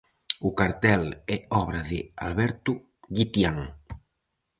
O cartel é obra de Alberto Guitián.